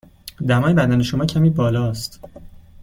دمای بدن شما کمی بالا است.